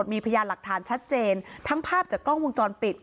มีพยานหลักฐานชัดเจนทั้งภาพจากกล้องวงจรปิด